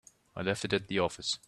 I left it at the office.